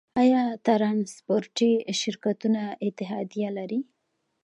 آیا ټرانسپورټي شرکتونه اتحادیه لري؟